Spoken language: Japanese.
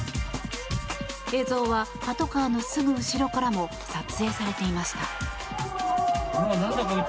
映像はパトカーのすぐ後ろからも撮影されていました。